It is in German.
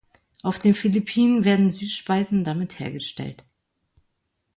Auf den Philippinen werden Süßspeisen damit hergestellt.